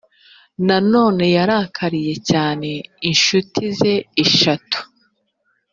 nanone yarakariye cyane incuti ze eshatu